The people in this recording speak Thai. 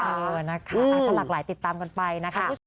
เออนะคะหลักหลายติดตามกันไปนะคะ